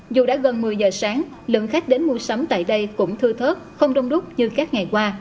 dù đã gần một mươi giờ sáng lượng khách đến mua sắm tại đây cũng thưa thớt không đông đúc như các ngày qua